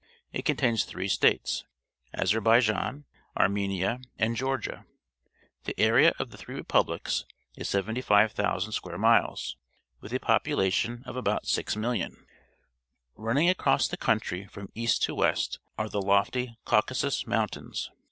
It contains three states — Azerbaijan, Arinenia, and Georgia. The area of the three repubhcs is 75,000 square miles, with a population of about six millions. Running across the country from east to west are the lofty Caucasus Motintain^.